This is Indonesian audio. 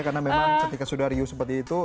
karena memang ketika sudah riuh seperti itu